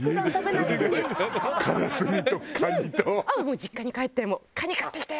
実家に帰って「カニ買ってきたよ！